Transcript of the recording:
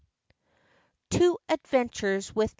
TWO ADVENTURES WITH MR.